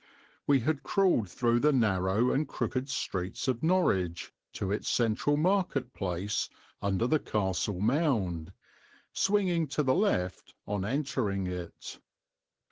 We had crawled through the narrow and crooked streets of Norwich to its central Market Place under the Castle Mound; swinging to the left on entering it.